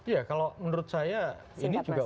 ya kalau menurut saya ini juga